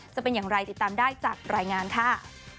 จะเป็นอย่างไรติดตามได้จากรายงานค่ะ